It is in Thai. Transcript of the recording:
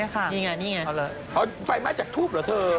ฝ่ายไม้จากถูกหรอ